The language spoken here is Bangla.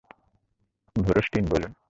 ভোরস্টিন, বলুন?